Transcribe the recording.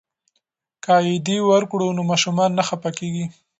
که عیدي ورکړو نو ماشومان نه خفه کیږي.